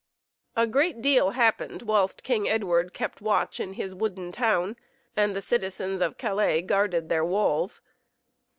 A great deal happened whilst King Edward kept watch in his wooden town and the citizens of Calais guarded their walls.